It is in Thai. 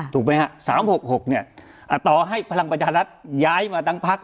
ถูกไหมฮะ๓๖๖เนี่ยต่อให้พลังประชารัฐย้ายมาตั้งพัก